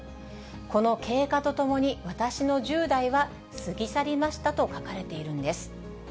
この経過とともに私の１０代は過ぎ去りましたと書かれているんです。